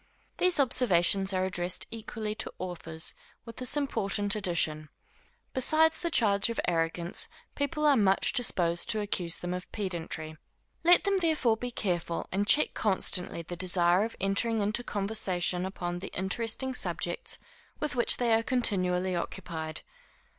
These observations are addressed equally to authors, with this important addition. Besides the charge of arrogance, people are much disposed to accuse them of pedantry. Let them therefore be careful, and check constantly the desire of entering into conversation upon the interesting subjects with which they are continually occupied.